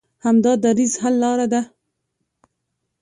همدا دریځ حل لاره ده.